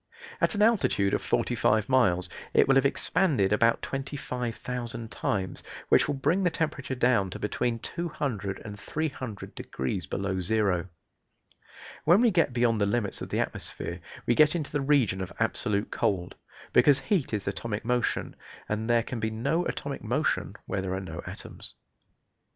At an altitude of forty five miles it will have expanded about 25,000 times, which will bring the temperature down to between 200 and 300 degrees below zero. When we get beyond the limits of the atmosphere we get into the region of absolute cold, because heat is atomic motion, and there can be no atomic motion where there are no atoms.